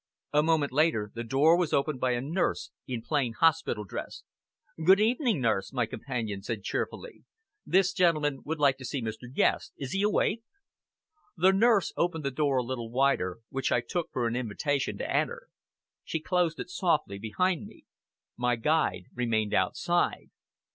A moment later, the door was opened by a nurse in plain hospital dress. "Good evening, nurse!" my companion said cheerfully. "This gentleman would like to see Mr. Guest! Is he awake?" The nurse opened the door a little wider, which I took for an invitation to enter. She closed it softly behind me. My guide remained outside.